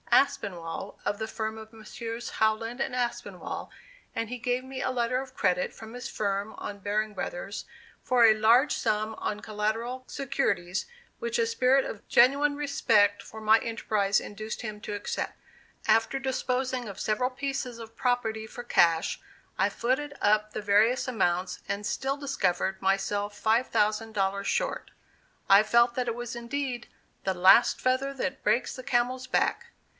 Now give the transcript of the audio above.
Aspinwall, of the firm of Messrs. Howland & Aspinwall, and he gave me a letter of credit from his firm on Baring Brothers, for a large sum on collateral securities, which a spirit of genuine respect for my enterprise induced him to accept. After disposing of several pieces of property for cash, I footed up the various amounts, and still discovered myself five thousand dollars short. I felt that it was indeed "the last feather that breaks the camel's back."